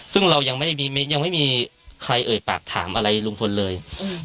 ซึ่งเรายังไม่มียังไม่มีใครเอ่ยปากถามอะไรลุงพลเลยอืม